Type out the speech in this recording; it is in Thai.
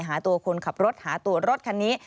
หาตัวคนขับรถหาตัวรถคันนี้